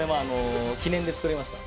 記念で作りました。